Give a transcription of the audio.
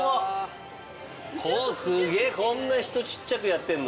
すげえこんな人ちっちゃくやってんの？